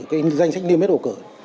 cái danh sách niêm bếp bầu cử